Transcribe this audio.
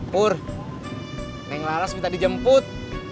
pur yang laras minta dijemput